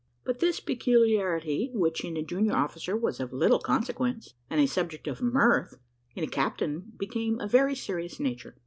But this peculiarity, which in a junior officer was of little consequence, and a subject of mirth, in a captain became of a very serious nature.